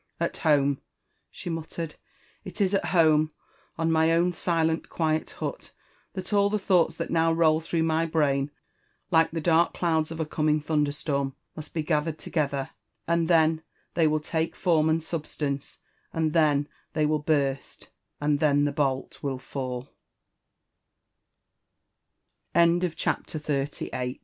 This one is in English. "At home,'' she muttered, — ''it is at home, on my own silent, quiet hut, that all the thoughts that now roll through my brain like the dark clouds of a coming thunder storm must be gathered together — and ^then they will take form and substance— and then they will burst— and the